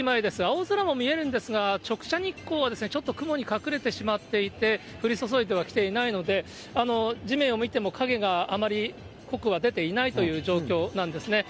青空も見えるんですが、直射日光はちょっと雲に隠れてしまって、降り注いではきていないので、地面を見ても影があまり濃くは出ていないという状況なんですね。